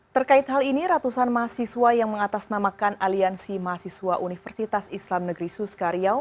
terkait hal ini ratusan mahasiswa yang mengatasnamakan aliansi mahasiswa universitas islam negeri suska riau